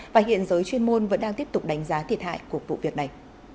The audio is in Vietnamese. và hiện giới chuyên môn vẫn đang tiếp tục đánh giá thiệt hại của vụ việc này